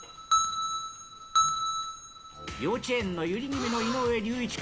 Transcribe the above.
幼稚園のゆり組の井上龍一君。